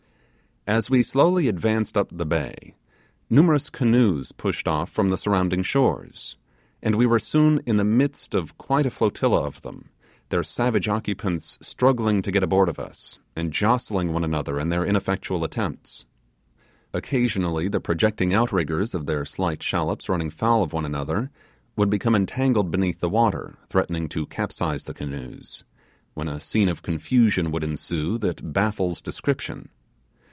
As we slowly advanced up the bay, numerous canoes pushed off from the surrounding shores, and we were soon in the midst of quite a flotilla of them, their savage occupants struggling to get aboard of us, and jostling one another in their ineffectual attempts. Occasionally the projecting out riggers of their slight shallops running foul of one another, would become entangled beneath the water, threatening to capsize the canoes, when a scene of confusion would ensue that baffles description.